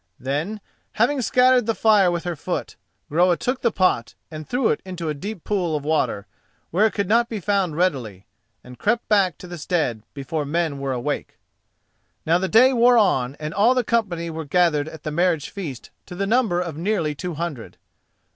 Then, having scattered the fire with her foot, Groa took the pot and threw it into a deep pool of water, where it could not be found readily, and crept back to the stead before men were awake. Now the day wore on and all the company were gathered at the marriage feast to the number of nearly two hundred.